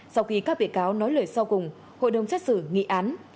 sau khi các bị cáo nói lời sau cùng hội đồng xét xử nghị án